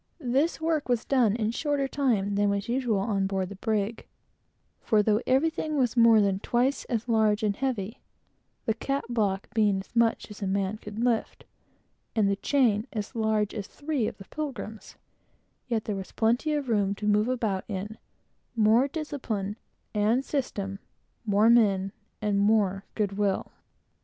This work was done in shorter time than was usual on board the brig; for though everything was more than twice as large and heavy, the cat block being as much as a man could lift, and the chain as large as three of the Pilgrim's, yet there was a plenty of room to move about in, more discipline and system, more men, and more good will.